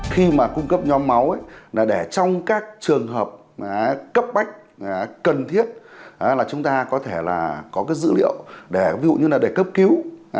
khi mà cung cấp nhóm máu để trong các trường hợp cấp bách cần thiết chúng ta có thể có dữ liệu ví dụ như là để cấp cứu